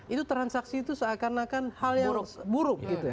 itu transaksi itu seakan akan hal yang buruk